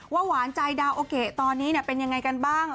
หวานใจดาโอเกะตอนนี้เป็นยังไงกันบ้าง